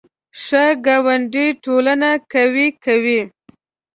ښه ګاونډي ټولنه قوي کوي